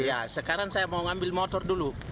iya sekarang saya mau ngambil motor dulu